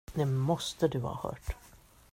Det måste du ha hört.